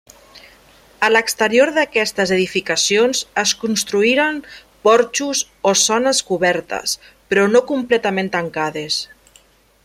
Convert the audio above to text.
A l'exterior d'aquestes edificacions es construïren porxos o zones cobertes però no completament tancades.